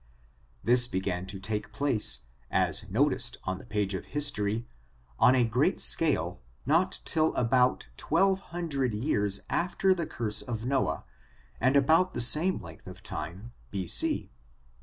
This began to take place, as noticed on the page of history, on a great scale, not till about twelve hundred years after the curse of Noah, and about the same length of time B.